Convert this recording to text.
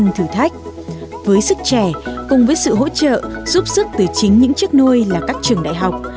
nhưng thử thách với sức trẻ cùng với sự hỗ trợ giúp sức từ chính những chức nuôi là các trường đại học